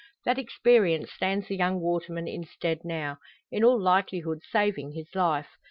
That experience stands the young waterman in stead now, in all likelihood saving his life.